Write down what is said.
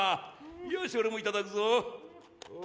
よし俺も頂くぞ。